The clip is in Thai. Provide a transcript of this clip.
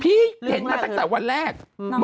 พี่เห็นมาตั้งแต่วันแรก